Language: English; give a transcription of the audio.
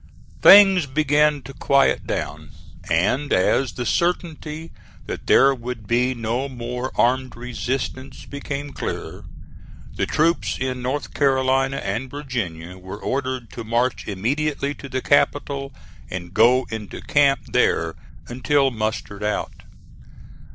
Things began to quiet down, and as the certainty that there would be no more armed resistance became clearer, the troops in North Carolina and Virginia were ordered to march immediately to the capital, and go into camp there until mustered out.